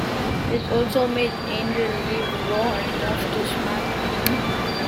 This also made Angle leave Raw and move to SmackDown!